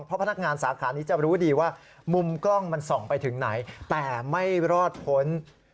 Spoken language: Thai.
เพราะพนักงานสาขานี้จะรู้ดีว่ามุมกล้องมันส่องไปถึงไหน